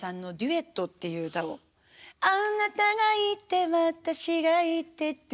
「あなたがいて私がいて」っていう。